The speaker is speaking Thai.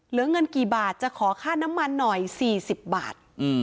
เหลือเงินกี่บาทจะขอค่าน้ำมันหน่อย๔๐บาท